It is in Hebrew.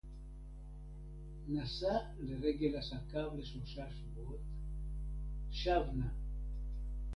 נסע לרגל עסקיו לשלושה שבועות. שב נא.